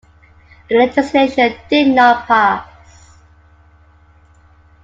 The legislation did not pass.